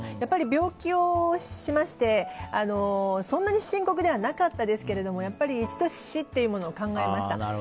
病気をしましてそんなに深刻ではなかったですが一度、死というものを考えました。